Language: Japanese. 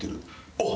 おっ！